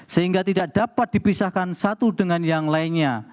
sehingga tidak dapat dipisahkan satu dengan yang lainnya